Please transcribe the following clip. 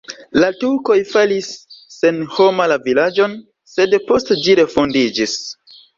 La turkoj faris senhoma la vilaĝon, sed poste ĝi refondiĝis.